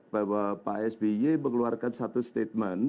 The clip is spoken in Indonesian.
bahwa pak sby mengeluarkan satu statement